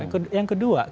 dan yang terakhir